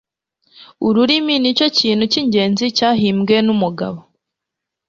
ururimi nicyo kintu cyingenzi cyahimbwe numugabo